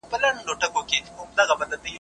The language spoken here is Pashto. دا تعریفونه ټولني ته نوې لارې پرانیزي.